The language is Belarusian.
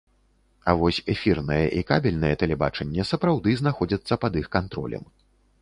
А вось эфірнае і кабельнае тэлебачанне сапраўды знаходзяцца пад іх кантролем.